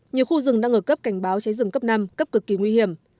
nhiều khu rừng đang ở cấp cảnh báo cháy rừng cấp năm cấp cực kỳ nguy hiểm